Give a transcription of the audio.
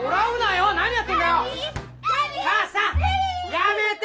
やめて！